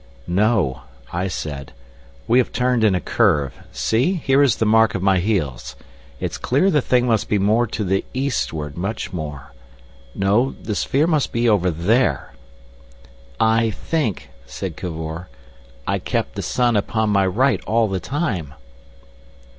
"No," I said. "We have turned in a curve. See! here is the mark of my heels. It's clear the thing must be more to the eastward, much more. No—the sphere must be over there." "I think," said Cavor, "I kept the sun upon my right all the time."